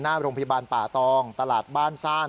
หน้าโรงพยาบาลป่าตองตลาดบ้านซ่าน